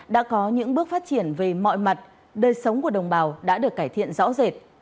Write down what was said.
đã có những bước phát triển về mọi mặt đời sống của đồng bào đã được cải thiện rõ rệt